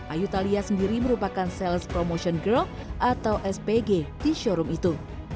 ayu thalia sendiri merupakan sales promotion grow atau spg di showroom itu